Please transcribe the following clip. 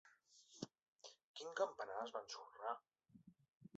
Quin campanar es va ensorrar?